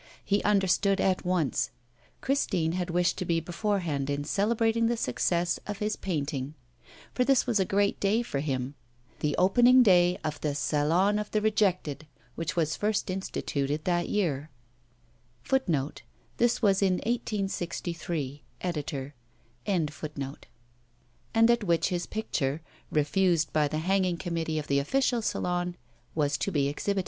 He understood at once. Christine had wished to be beforehand in celebrating the success of his painting. For this was a great day for him, the opening day of the 'Salon of the Rejected,' which was first instituted that year,* and at which his picture refused by the hanging committee of the official Salon was to be exhibited.